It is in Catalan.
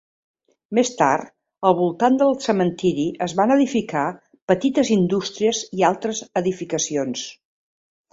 Més tard al voltant del cementiri es van edificar petites indústries i altres edificacions.